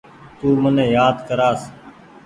تو مني يآد ڪرآس ۔